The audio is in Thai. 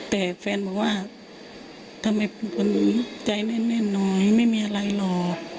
แต่แฟนบอกว่าทำไมเป็นคนใจแน่นหน่อยไม่มีอะไรหรอก